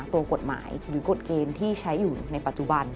ตัวกฎหมายหรือกฎเกณฑ์ที่ใช้อยู่ในปัจจุบัน